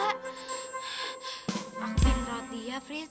aku yang rawat dia prit